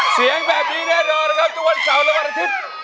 เสียงแบบนี้แน่นอนนะครับทุกวันเสาร์และวันอาทิตย์